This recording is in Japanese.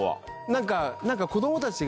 何か子供たちが。